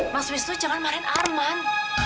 mas wisnu jangan marahin arman